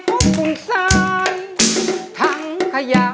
เพื่อจะไปชิงรางวัลเงินล้าน